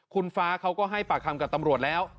คุณฟ้าเขาก็ให้ปากคำกับตำรวจแล้ว